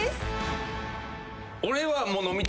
俺は。